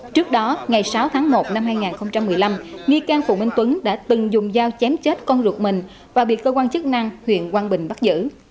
trước đó ngày sáu tháng một năm hai nghìn một mươi năm nghi can phùng minh tuấn đã từng dùng dao chém chết con ruột mình và bị cơ quan chức năng huyện quang bình bắt giữ